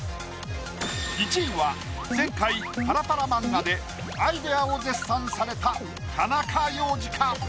１位は前回パラパラ漫画でアイデアを絶賛された田中要次か？